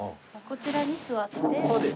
こちらに座って？